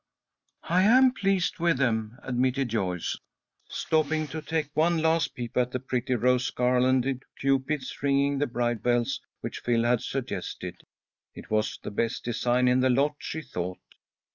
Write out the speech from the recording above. "I am pleased with them," admitted Joyce, stopping to take one last peep at the pretty rose garlanded Cupids ringing the bride bells, which Phil had suggested. It was the best design in the lot, she thought.